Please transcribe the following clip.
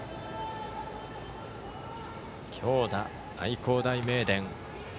強打、愛工大名電。